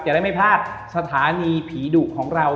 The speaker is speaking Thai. ได้ไม่พลาดสถานีผีดุของเรา